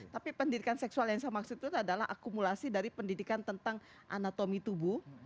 tapi pendidikan seksual yang saya maksud itu adalah akumulasi dari pendidikan tentang anatomi tubuh